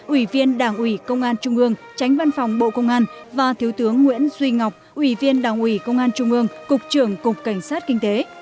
ủy viên đảng ủy công an trung ương tránh văn phòng bộ công an và thiếu tướng nguyễn duy ngọc ủy viên đảng ủy công an trung ương cục trưởng cục cảnh sát kinh tế